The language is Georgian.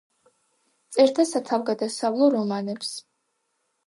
წერდა სათავგადასავლო რომანებს.